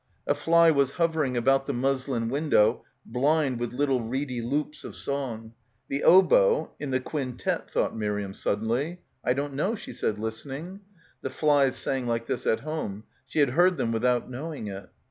A fly was hovering about the muslin window blind with little reedy loops of song. The oboe ... in the quintet, thought Miriam suddenly. "I don't know," she said, listening. The flies sang like this at home. She had heard them without knowing it.